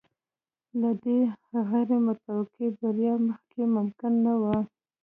له دغې غیر متوقع بریا مخکې ممکنه نه وه.